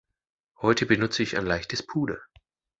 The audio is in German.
Heute benutze ich ein leichtes Puder.